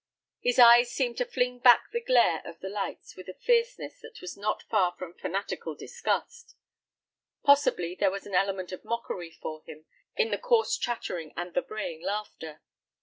His eyes seemed to fling back the glare of the lights with a fierceness that was not far from fanatical disgust. Possibly there was an element of mockery for him in the coarse chattering and the braying laughter.